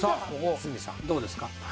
ここ堤さんどうですか？